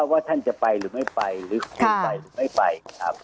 ว่าท่านจะไปหรือไม่ไปหรือควรไปหรือไม่ไปนะครับ